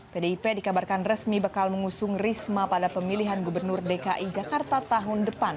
pdip dikabarkan resmi bekal mengusung risma pada pemilihan gubernur dki jakarta tahun depan